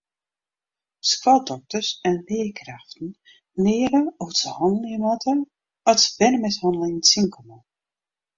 Skoaldokters en learkrêften leare hoe't se hannelje moatte at se bernemishanneling tsjinkomme.